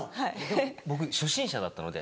でも僕初心者だったので。